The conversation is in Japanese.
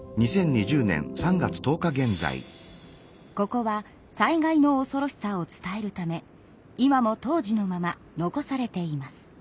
ここは災害のおそろしさを伝えるため今も当時のまま残されています。